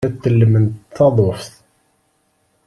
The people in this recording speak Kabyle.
La tellment taḍuft.